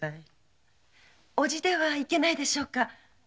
伯父ではいけないでしょうか？